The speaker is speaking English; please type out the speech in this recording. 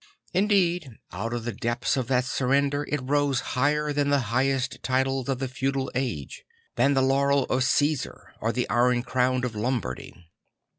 Indeed out of the depths of that surrender it rose higher than the highest titles of the feudal age; than the laurel of Cæsar or the Iron Crown of Lombardy.